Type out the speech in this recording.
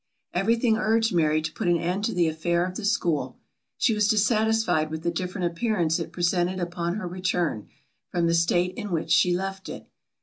Every thing urged Mary to put an end to the affair of the school. She was dissatisfied with the different appearance it presented upon her return, from the state in which she left it.